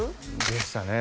でしたね